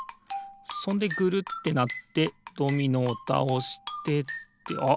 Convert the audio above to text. そんでぐるってなってドミノをたおしてあっ